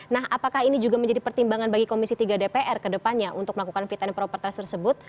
nah apakah ini juga menjadi pertimbangan bagi komisi tiga dpr kedepannya untuk melakukan fit and proper test tersebut